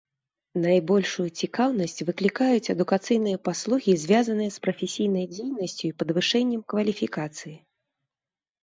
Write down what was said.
Найбольшую цікаўнасць выклікаюць адукацыйныя паслугі, звязаныя з прафесійнай дзейнасцю і падвышэннем кваліфікацыі.